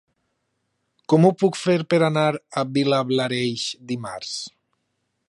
Com ho puc fer per anar a Vilablareix dimarts?